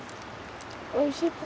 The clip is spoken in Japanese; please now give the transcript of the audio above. おいしい？